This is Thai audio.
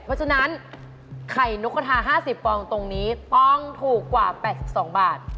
เพราะฉะนั้นไข่นกกระทา๕๐ฟองตรงนี้ต้องถูกกว่า๘๒บาท